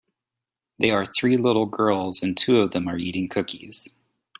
They are three little girls and two of them are eating cookies